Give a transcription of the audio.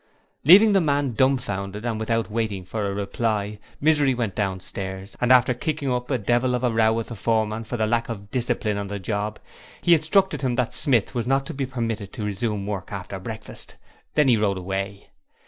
Leaving the man dumbfounded and without waiting for a reply, Misery went downstairs and after kicking up a devil of a row with the foreman for the lack of discipline on the job, he instructed him that Smith was not to be permitted to resume work after breakfast. Then he rode away.